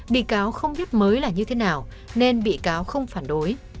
bị cáo không biết mới là như thế nào nên bị cáo không phản đối